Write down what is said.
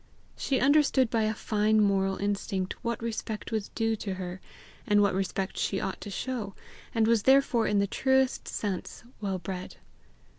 She understood by a fine moral instinct what respect was due to her, and what respect she ought to show, and was therefore in the truest sense well bred.